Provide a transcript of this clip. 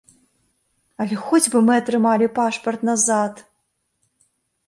Але хоць бы мы атрымалі пашпарт назад!